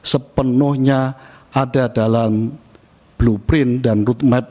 sepenuhnya ada dalam blueprint dan route map